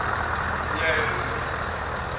Yeɛlem.